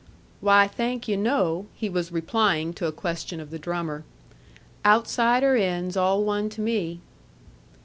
"Why, thank yu', no," he was replying to a question of the drummer. "Outside or in's all one to me."